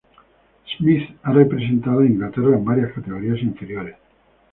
Smith ha representado a Inglaterra en varias categorías inferiores.